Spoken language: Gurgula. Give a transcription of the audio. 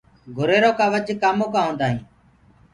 گُريرو ڪآ وجھ ڪآمو هوندآ هينٚ۔